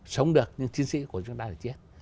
sống được nhưng chiến sĩ của chúng ta đã chết